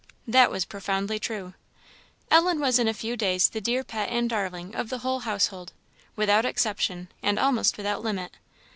That was profoundly true. Ellen was in a few days the dear pet and darling of the whole household, without exception, and almost without limit.